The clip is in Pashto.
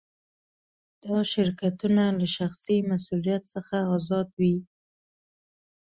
دا شرکتونه له شخصي مسوولیت څخه آزاد وي.